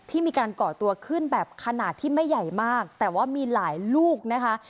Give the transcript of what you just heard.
ที่มีการก่อตัวขึ้นแบบขนาดที่ไม่ใหญ่มากแต่ว่ามีหลายลูกนะคะ